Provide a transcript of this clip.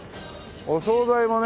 お惣菜もね